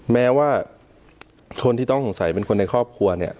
แม้ว่าคนที่ต้องสงสัยเป็นคนในครอบครัวเนี่ย